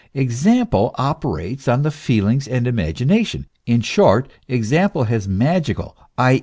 Example operates on the feelings and imagination. In short, example has magical, i.